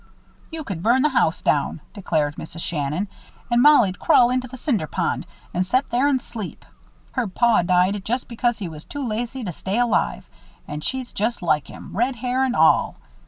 "You could burn the house down," declared Mrs. Shannon, "an' Mollie'd crawl into the Cinder Pond an' set there an' sleep. Her paw died just because he was too lazy to stay alive, and she's just like him red hair and all.